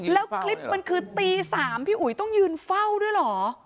แล้วคลิปมันคือตี๓พี่อุ๋ยต้องยืนเฝ้าด้วยเหรอ